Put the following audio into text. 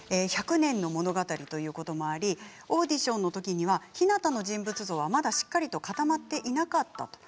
１００年の物語ということもありオーディションのときにはひなたの人物像は、まだしっかりと固まっていなかった。